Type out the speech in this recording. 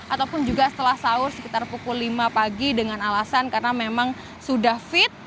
ataupun juga setelah sahur sekitar pukul lima pagi dengan alasan karena memang sudah fit